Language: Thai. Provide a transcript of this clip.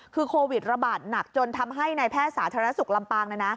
คือโควิดระบาดหนักจนทำให้นายแพทย์สาธารณสุขลำปาง